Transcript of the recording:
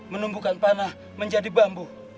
menumbuhkan panah menjadi bambu